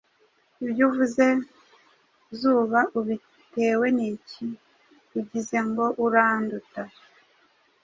Ibyo uvuze Zuba ubitewe n’iki? Ugize ngo uranduta